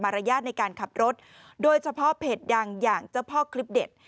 รยาทในการขับรถโดยเฉพาะเพจดังอย่างเจ้าพ่อคลิปเด็ด